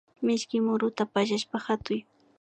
Mishki muruta pallashpa hatuy